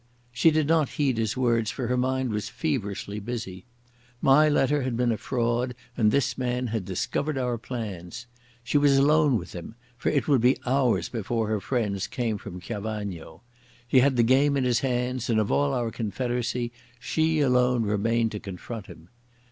She did not heed his words, for her mind was feverishly busy. My letter had been a fraud and this man had discovered our plans. She was alone with him, for it would be hours before her friends came from Chiavagno. He had the game in his hands, and of all our confederacy she alone remained to confront him.